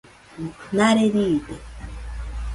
Nare riide